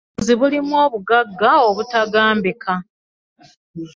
Obulunzi bulimu obugagga obutagambika.